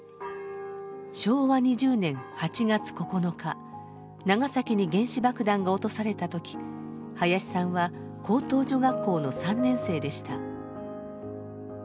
昭和２０年８月９日長崎に原子爆弾が落とされた時林さんは高等女学校の３年生でした。